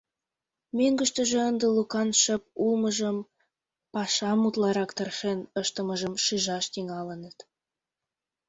Мӧҥгыштыжӧ ынде Лукан шып улмыжым, пашам утларак тыршен ыштымыжым шижаш тӱҥалыныт.